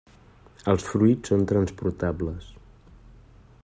Els fruits són transportables.